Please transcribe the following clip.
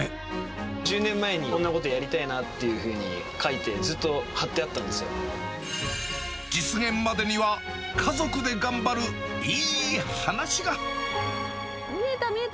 １０年前に、こんなことやりたいなっていうふうに描いて、実現までには家族で頑張るい見えた、見えた。